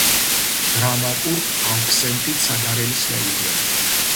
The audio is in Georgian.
დრამატურგ ავქსენტი ცაგარელის მეუღლე.